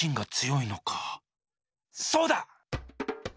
そうだ！